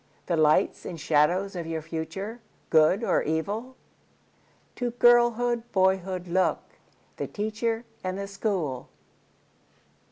The lights and shadows of your future—good or evil? To girlhood, boyhood look—the Teacher and the School.